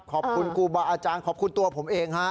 ขอบคุณครูบาอาจารย์ขอบคุณตัวผมเองฮะ